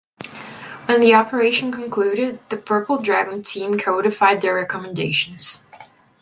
When the operation concluded, the Purple Dragon team codified their recommendations.